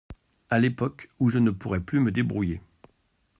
À l’époque où je ne pourrai plus me débrouiller.